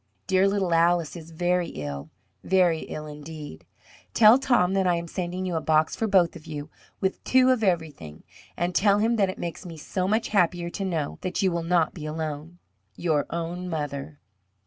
Dear little Alice is very ill, very ill indeed. Tell Tom that I am sending you a box for both of you, with two of everything. And tell him that it makes me so much happier to know that you will not be alone. Your own mother.